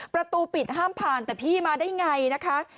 ประตูปิดห้ามผ่านแต่พี่มาได้ไงนะคะ